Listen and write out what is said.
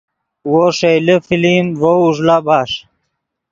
وو ݰئیلے فلم ڤؤ اوݱڑا بݰ